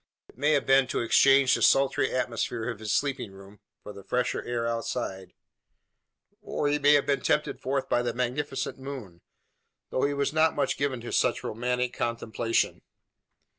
It may have been to exchange the sultry atmosphere of his sleeping room for the fresher air outside; or he may have been tempted forth by the magnificent moon though he was not much given to such romantic contemplation.